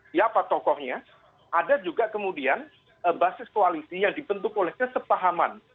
siapa tokohnya ada juga kemudian basis koalisi yang dibentuk oleh kesepahaman